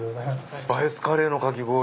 スパイスカレーのかき氷。